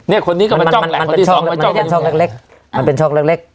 เนี้ยคนนี้ก็มันจ้องแหละมันเป็นช่องเล็กเล็กมันเป็นช่องเล็กเล็ก